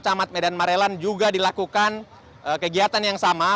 camat medan marelan juga dilakukan kegiatan yang sama